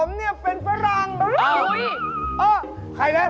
ไปวิ่งราวกระเป๋าใครมา